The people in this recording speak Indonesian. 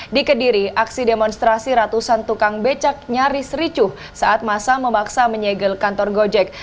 di kediri aksi demonstrasi ratusan tukang becak nyaris ricuh saat masa memaksa menyegel kantor gojek